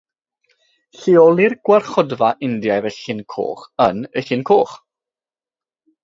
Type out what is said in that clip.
Lleolir Gwarchodfa Indiaidd y Llyn Coch yn y Llyn Coch.